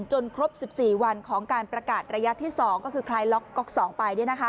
ครบ๑๔วันของการประกาศระยะที่๒ก็คือคลายล็อกก๊อก๒ไป